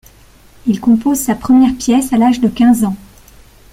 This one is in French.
Il compose sa première pièce à l'âge de quinze ans.